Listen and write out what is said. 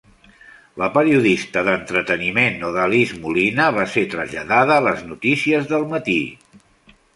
La periodista d'entreteniment Odalys Molina va ser traslladada a les notícies del matí.